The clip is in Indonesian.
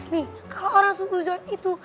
nih kalau orang suhuzon itu